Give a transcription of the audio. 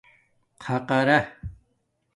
خَقارا